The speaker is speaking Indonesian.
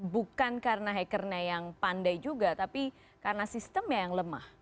bukan karena hackernya yang pandai juga tapi karena sistemnya yang lemah